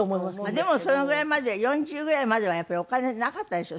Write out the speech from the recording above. でもそのぐらいまで４０ぐらいまではやっぱりお金なかったですよ